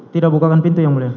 tidak bukakan pintu yang mulia